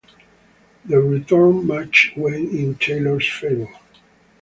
The return match went in Taylor's favour.